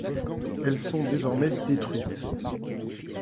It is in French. Elles sont désormais détruites.